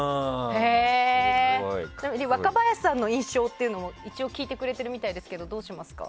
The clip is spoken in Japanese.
若林さんの印象を一応聞いてくれてるみたいですけどどうしますか？